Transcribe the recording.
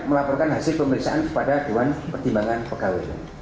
melaporkan hasil pemeriksaan kepada diwan pertimbangan pkw